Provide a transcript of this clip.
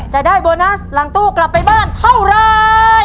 จะได้โบนัสหลังตู้กลับไปบ้านเท่าไร